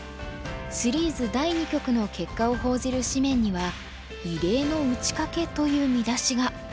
シリーズ第２局の結果を報じる紙面には「異例の打ち掛け」という見出しが。